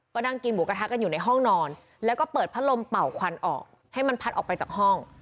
ก็นั่งกินหมูกระทะกันอยู่ในห้องนอนแล้วก็เปิดพัดลมเป่าควันออกให้มันพัดออกไปจากห้อง